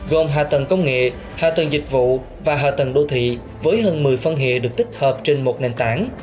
gồm hạ tầng công nghệ hạ tầng dịch vụ và hạ tầng đô thị với hơn một mươi phân hệ được tích hợp trên một nền tảng